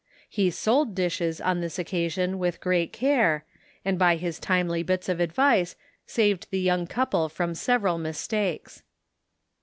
He sold dishes on this occasion with great care, and by his timely bits of advice, saved the young couple from several mistakes.